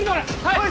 はい！